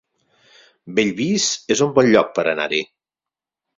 Bellvís es un bon lloc per anar-hi